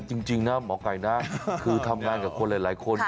จริงนะหมอไก่นะคือทำงานกับคนหลายคน